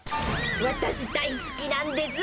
私大好きなんです。